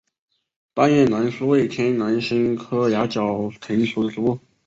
大叶南苏为天南星科崖角藤属的植物。